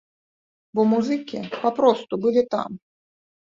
Бо музыкі папросту былі там.